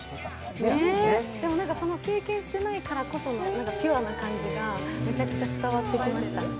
でも、その経験していないからこそのピュアな感じがめちゃくちゃ伝わってきました。